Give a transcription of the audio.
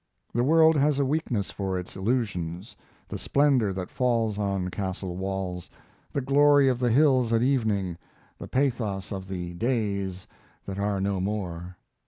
The world has a weakness for its illusions: the splendor that falls on castle walls, the glory of the hills at evening, the pathos of the days that are no more.